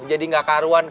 jadi gak karuan